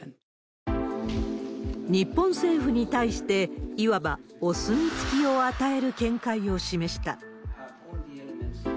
日本政府に対して、いわばお墨付きを与える見解を示した。